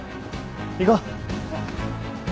行こう。